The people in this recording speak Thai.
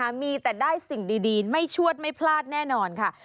มีแต่ได้สิ่งดีไม่ชวดไม่พลาดแน่นอนค่ะ